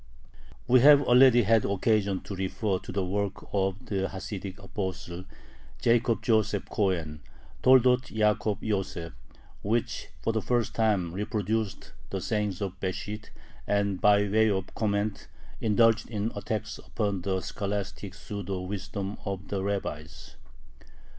We have already had occasion to refer to the work of the Hasidic apostle Jacob Joseph Cohen (Toldoth Ya`kob Yoseph), which for the first time reproduced the sayings of Besht, and, by way of comment, indulged in attacks upon the scholastic "pseudo wisdom" of the rabbis.